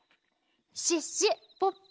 シュッシュポッポ」。